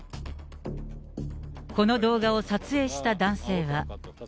この動画を撮影した男性は。